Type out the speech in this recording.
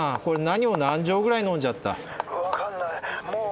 これ何を何錠ぐらい飲んじゃった？